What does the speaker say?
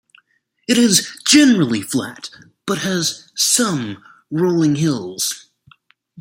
It is generally flat, but has some rolling hills.